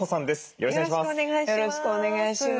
よろしくお願いします。